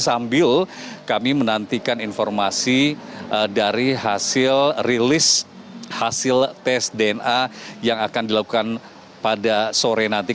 sambil kami menantikan informasi dari hasil rilis hasil tes dna yang akan dilakukan pada sore nanti